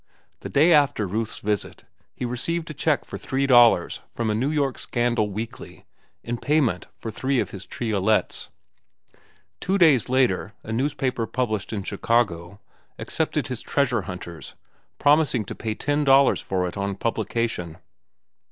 The day after Ruth's visit, he received a check for three dollars from a New York scandal weekly in payment for three of his triolets. Two days later a newspaper published in Chicago accepted his "Treasure Hunters," promising to pay ten dollars for it on publication.